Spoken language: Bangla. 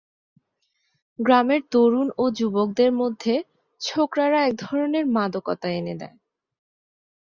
গ্রামের তরুণ ও যুবকদের মধ্যে ছোকরারা এক ধরনের মাদকতা এনে দেয়।